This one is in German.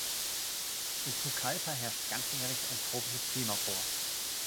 In Pucallpa herrscht ganzjährig ein tropisches Klima vor.